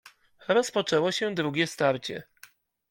"Rozpoczęło się drugie starcie."